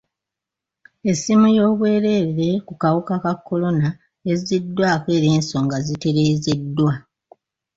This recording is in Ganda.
Essiimu y'obwereere ku kawuka ka kolona ezziddwako era ensonga zitereezeddwa.